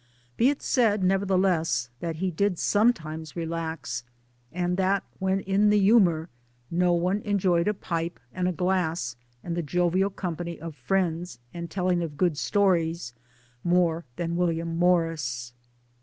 Be it said, nevertheless, that he did sometimes relax, and that when in the humour, no one enjoyed a pipe and a glass and the jovial company of friends and the telling of good stories, more than William Morris.